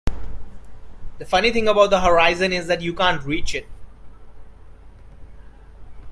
The funny thing about the horizon is that you can't reach it.